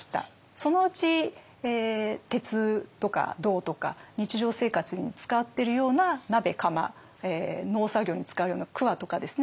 そのうち鉄とか銅とか日常生活に使ってるような鍋釜農作業に使うようなくわとかですね